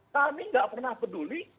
kami gak pernah peduli